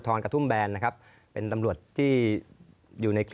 สนุนโดยอีซุสุข